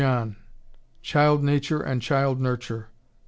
John, "Child Nature and Child Nurture."